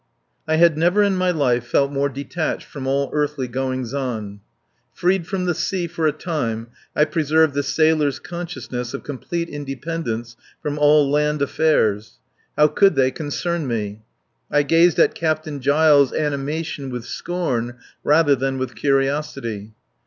I had never in my life felt more detached from all earthly goings on. Freed from the sea for a time, I preserved the sailor's consciousness of complete independence from all land affairs. How could they concern me? I gazed at Captain Giles' animation with scorn rather than with curiosity.